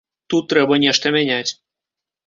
Тут трэба нешта мяняць.